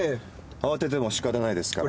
慌てても仕方ないですから。